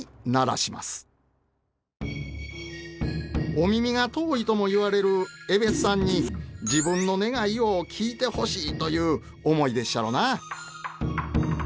お耳が遠いとも言われるえべっさんに自分の願いを聞いてほしいという思いでっしゃろな。